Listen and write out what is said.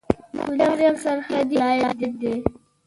کونړ يو سرحدي ولايت دی